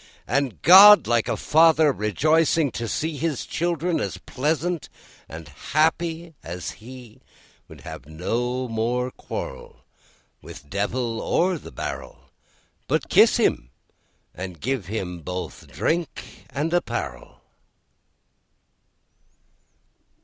And God, like a father, rejoicing to see His children as pleasant and happy as He, Would have no more quarrel with the Devil or the barrel, But kiss him, and give him both drink and apparel.